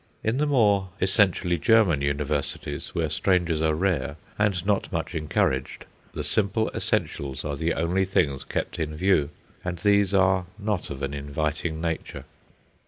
In the more essentially German Universities, where strangers are rare and not much encouraged, the simple essentials are the only things kept in view, and these are not of an inviting nature.